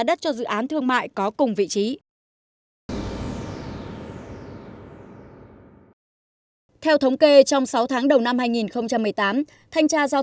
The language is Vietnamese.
đất cho dự án thương mại có cùng vị trí theo thống kê trong sáu tháng đầu năm hai nghìn một mươi tám thanh tra giao